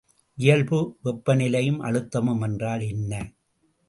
இயல்பு வெப்பநிலையும் அழுத்தமும் என்றால் என்ன?